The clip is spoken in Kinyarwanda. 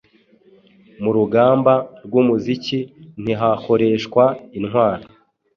Murugamba rw'umuziki ntihakoreshwa intwaro